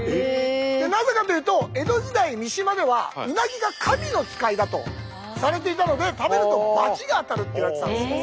なぜかというと江戸時代三島ではうなぎが神の使いだとされていたので食べるとバチが当たるっていわれてたんですよ。